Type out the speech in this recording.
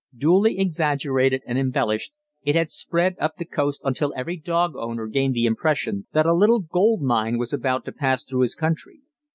Duly exaggerated and embellished, it had spread up the coast until every dog owner gained the impression that a little gold mine was about to pass through his country.